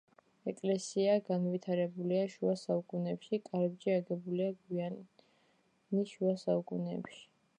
ეკლესია განვითარებულია შუა საუკუნეებში, კარიბჭე აგებულია გვიანი შუა საუკუნეებში.